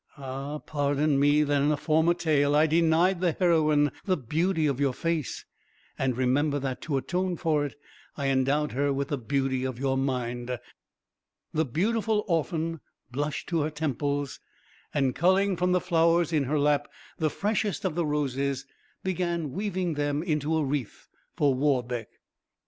Ah, pardon me that in a former tale I denied the heroine the beauty of your face, and remember that, to atone for it, I endowed her with the beauty of your mind) the beautiful orphan blushed to her temples, and culling from the flowers in her lap the freshest of the roses, began weaving them into a wreath for Warbeck.